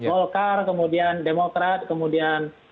golkar kemudian demokrat kemudian